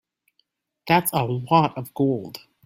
That's a lot of gold.